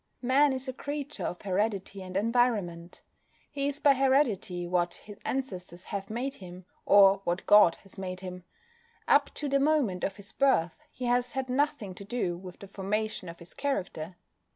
Man is a creature of Heredity and Environment. He is by Heredity what his ancestors have made him (or what God has made him). Up to the moment of his birth he has had nothing to do with the formation of his character.